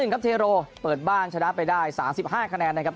ครับเทโรเปิดบ้านชนะไปได้๓๕คะแนนนะครับ